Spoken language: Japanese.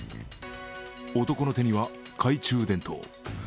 男の手には懐中電灯。